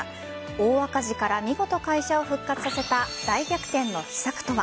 大赤字から見事、会社を復活させた大逆転の秘策とは。